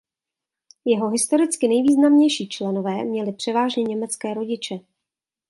Jeho historicky nejvýznamnější členové měli převážně německé rodiče.